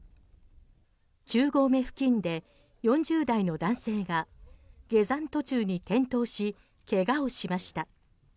９合目付近で４０代の男性が下山途中に転倒し怪我をしました。